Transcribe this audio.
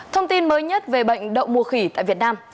thông tin mới nhất về bệnh đậu mùa khỉ tại việt nam